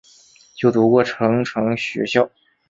就读过成城学校。